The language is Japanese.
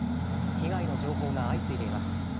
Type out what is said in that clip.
被害の情報が相次いでいます。